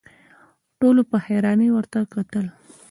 ټولو په حيرانۍ ورته وکتل.